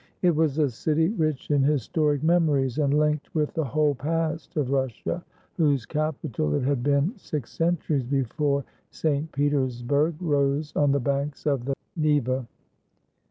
It was a city rich in historic memories, and linked with the whole past of Russia, whose capital it had been six centuries before St. Petersburg rose on the banks of the 47 RUSSIA Neva.